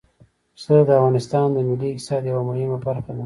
پسه د افغانستان د ملي اقتصاد یوه مهمه برخه ده.